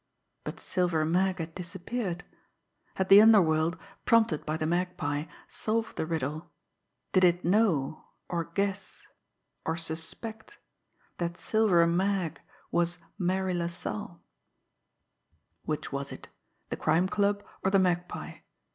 But Silver Mag had disappeared. Had the underworld, prompted by the Magpie, solved the riddle did it know, or guess, or suspect that Silver Mag was Marie LaSalle? Which was it? The Crime Club, or the Magpie?